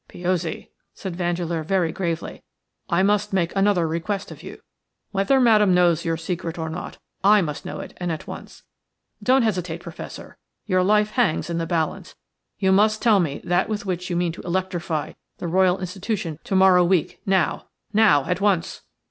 "Piozzi," said Vandeleur, very gravely, "I must make another request of you. Whether Madame knows your secret or not I must know it, and at once. Don't hesitate, Professor; your life hangs in the balance. You must tell me that with which you mean to electrify the Royal Institution to morrow week, now, now at once."